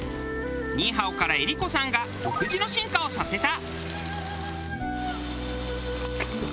ニーハオから英理子さんが独自の進化をさせた。